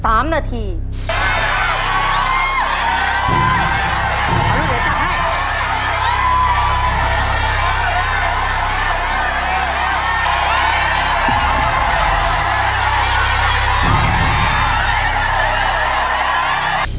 เอาลูกเดี๋ยวจัดให้